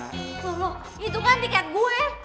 tuh lo itu kan tiket gue